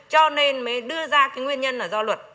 cho nên mới đưa ra cái nguyên nhân là do luật